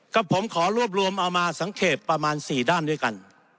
กับผมขอรวบรวมเอามาสังเกตประมาณ๔ด้านด้วยกัน